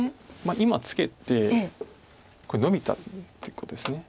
今ツケてノビたっていうことですよね。